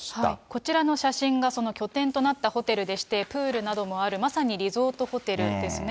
こちらの写真がその拠点となったホテルでして、プールなどもある、まさにリゾートホテルですね。